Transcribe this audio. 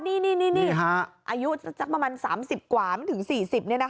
นี่อายุสักประมาณ๓๐กว่าไม่ถึง๔๐